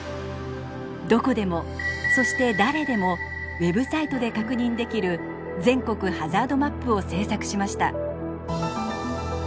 どこでもそして誰でもウェブサイトで確認できる全国ハザードマップを制作しました。